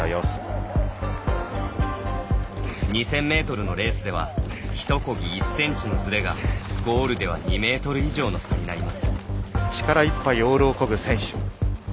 ２０００ｍのレースではひとこぎ１ｃｍのずれがゴールでは２ｍ以上の差になります。